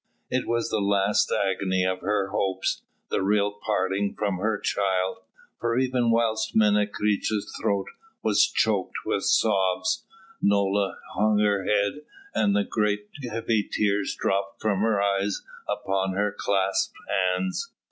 It was the last agony of her hopes, the real parting from her child, for even whilst Menecreta's throat was choked with sobs, Nola hung her head and great heavy tears dropped from her eyes upon her clasped hands.